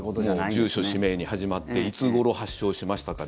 住所、氏名に始まっていつ頃、発症しましたか？